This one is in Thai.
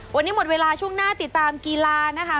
วันนี้หมดเวลาช่วงหน้าติดตามกีฬานะคะ